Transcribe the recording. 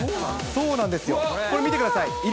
そうなんですよ、これ見てください。